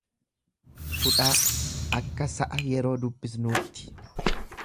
' akka sa'a yeroo dubbisnuutti.